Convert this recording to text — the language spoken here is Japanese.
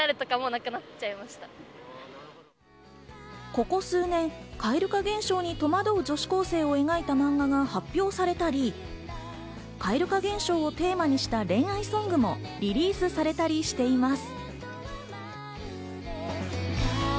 ここ数年、蛙化現象に戸惑う女子高生を描いた漫画が発表されたり、蛙化現象をテーマにした恋愛ソングもリリースされたりしています。